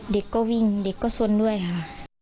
เด็กก็วิ่งเด็กก็สนด้วยค่ะ